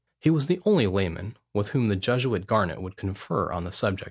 He was the only layman with whom the Jesuit Garnet would confer on the subject of the plot.